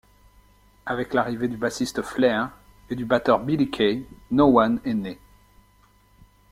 Avec l'arrivée du bassiste Flare et du batteur Billy K, No One est né.